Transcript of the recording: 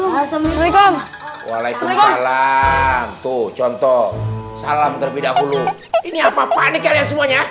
waalaikumsalam tuh contoh salam terlebih dahulu ini apa apa nih kalian semuanya